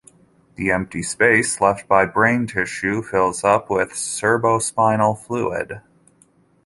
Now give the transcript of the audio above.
The empty space left by brain tissue fills up with cerebrospinal fluid.